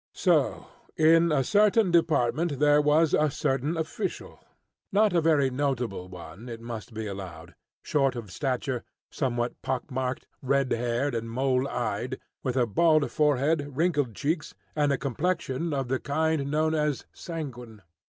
So, in a certain department there was a certain official not a very notable one, it must be allowed short of stature, somewhat pock marked, red haired, and mole eyed, with a bald forehead, wrinkled cheeks, and a complexion of the kind known as sanguine.